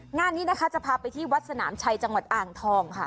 งานนี้นะคะจะพาไปที่วัดสนามชัยจังหวัดอ่างทองค่ะ